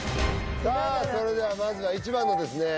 さあそれではまずは１番のですね